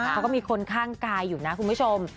เขาก็มีคนข้างกายอยู่นะคุณผู้ชม